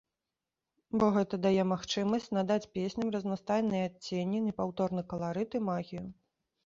Бо гэта дае магчымасць надаць песням разнастайныя адценні, непаўторны каларыт і магію.